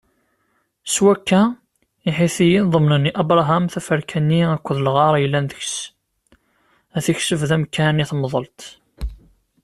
S wakka, Iḥitiyen ḍemnen i Abṛaham taferka-nni akked lɣar yellan deg-s, ad t-ikseb d amkan n temḍelt.